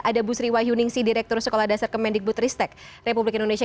ada bu sri wahyuningsi direktur sekolah dasar kemendikbud ristek republik indonesia